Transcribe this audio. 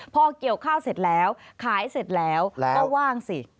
พอเกี่ยวข้าวเสร็จแล้วขายเสร็จแล้วก็ว่างสิ